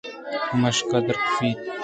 مشک درکغ ءَ اِنت